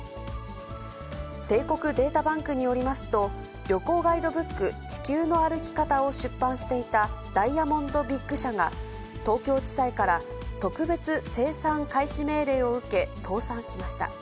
帝国データバンクによりますと、旅行ガイドブック、地球の歩き方を出版していたダイヤモンド・ビッグ社が東京地裁から、特別清算開始命令を受け、倒産しました。